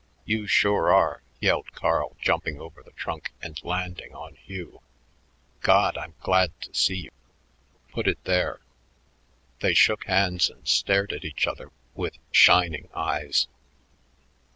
"You sure are!" yelled Carl, jumping over the trunk and landing on Hugh. "God! I'm glad to see you. Put it there." They shook hands and stared at each other with shining eyes.